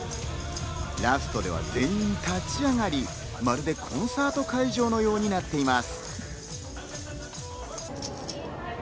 ラストでは全員立ち上がり、まるでコンサート会場のようになっています。